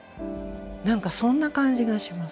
なんかそんな感じがします。